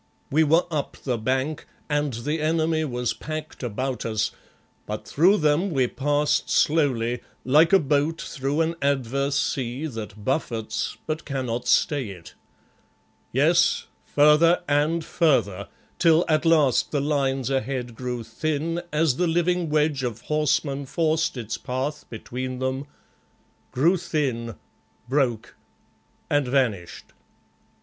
We were up the bank and the enemy was packed about us, but through them we passed slowly, like a boat through an adverse sea that buffets but cannot stay it. Yes, further and further, till at last the lines ahead grew thin as the living wedge of horsemen forced its path between them grew thin, broke and vanished.